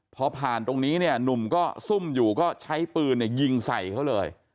พอผ่านตรงนี้เนี่ยหนุ่มก็ซุ่มอยู่ก็ใช้ปืนยิงใส่เขาเลย